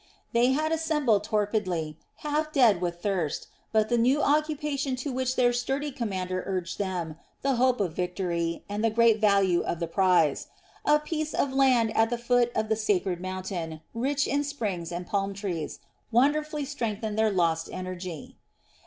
They had assembled torpidly, half dead with thirst, but the new occupation to which their sturdy commander urged them, the hope of victory, and the great value of the prize: a piece of land at the foot of the sacred mountain, rich in springs and palm trees, wonderfully strengthened their lost energy.